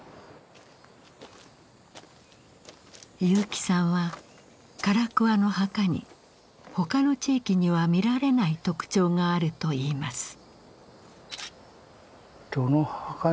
結城さんは唐桑の墓に他の地域には見られない特徴があるといいます。